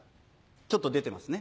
ちょっと出てますね。